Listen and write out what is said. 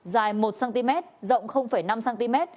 dài một cm rộng năm cm